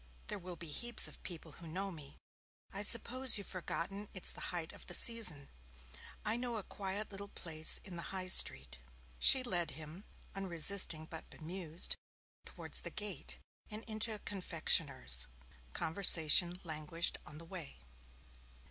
There will be heaps of people who know me. I suppose you've forgotten it's the height of the season. I know a quiet little place in the High Street.' She led him, unresisting but bemused, towards the gate, and into a confectioner's. Conversation languished on the way.